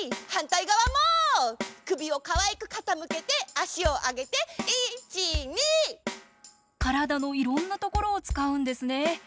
はんたいがわも首をかわいくかたむけてあしをあげて「いち、に！」。体のいろんなところをつかうんですね！